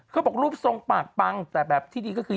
เขาบอกรูปทรงปากปังแต่แบบที่ดีก็คือ